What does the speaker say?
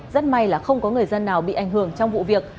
rất may là không có người dân nào bị ảnh hưởng trong vụ việc